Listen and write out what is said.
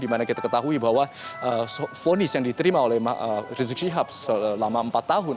dimana kita ketahui bahwa vonis yang diterima oleh rizik syihab selama empat tahun